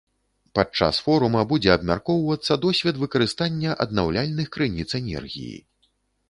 Падчас форума будзе абмяркоўвацца досвед выкарыстання аднаўляльных крыніц энергіі.